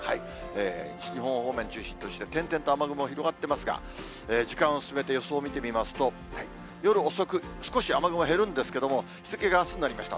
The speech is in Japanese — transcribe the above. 西日本方面を中心として、てんてんと雨雲、広がってますが、時間を進めて予想を見てみますと、夜遅く、少し雨雲減るんですけど、日付があすになりました。